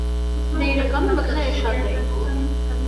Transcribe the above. Դե, իրականում մկները շատ էին։